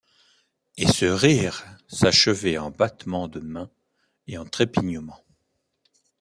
Et ce rire s’achevait en battements de mains et en trépignements.